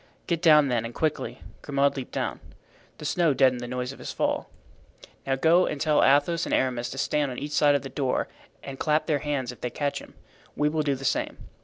"Get down then and quickly." Grimaud leaped down. The snow deadened the noise of his fall. "Now go and tell Athos and Aramis to stand on each side of the door and clap their hands if they catch him. We will do the same."